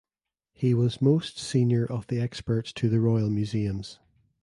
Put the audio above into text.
He was most senior of the experts to the royal museums.